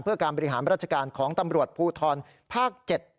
เพื่อการบริหารราชการของตำรวจภูทรภาค๗